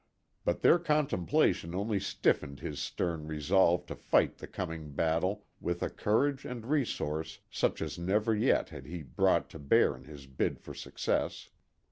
But their contemplation only stiffened his stern resolve to fight the coming battle with a courage and resource such as never yet had he brought to bear in his bid for success.